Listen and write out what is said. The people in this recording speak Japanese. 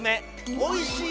おいしい